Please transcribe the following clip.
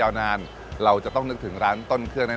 อย่างเช่นประเทศไทยที่ตั้งอยู่ในเขตร้อนและอบอุ่นเป็นส่วนใหญ่